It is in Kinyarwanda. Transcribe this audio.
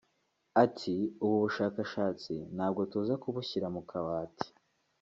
Ati” Ubu bushakashatsi ntabwo tuza kubushyira mu kabati